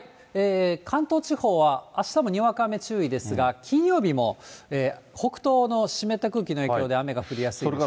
関東地方はあしたもにわか雨注意ですが、金曜日も北東の湿った空気の影響で雨が降りやすいでしょう。